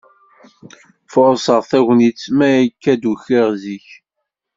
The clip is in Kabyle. Furṣeɣ tagnit, mi akka d-ukiɣ zik.